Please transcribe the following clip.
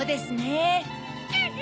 え？